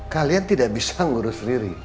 kalian tidak bisa ngurus diri